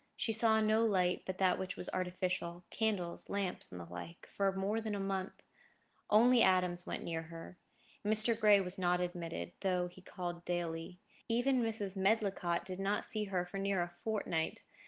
She saw no light but that which was artificial—candles, lamps, and the like—for more than a month. Only Adams went near her. Mr. Gray was not admitted, though he called daily. Even Mrs. Medlicott did not see her for near a fortnight.